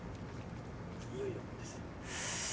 いよいよですね。